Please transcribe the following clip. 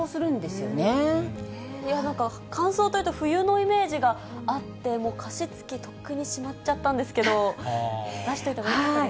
乾燥というと、冬のイメージがあって、加湿器、とっくにしまっちゃったんですけど、出しておいたほうがよかった